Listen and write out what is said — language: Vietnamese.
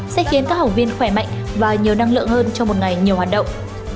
sẽ khiến các học viên khỏe mạnh và nhiều năng lượng hơn trong một ngày nhiều hoạt động